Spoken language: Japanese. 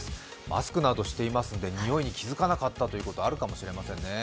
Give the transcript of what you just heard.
マスクなどしていますので、匂いに気づかなかったということがあるかもしれませんね。